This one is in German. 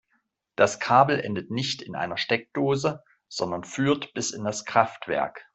Das Kabel endet nicht in einer Steckdose, sondern führt bis in das Kraftwerk.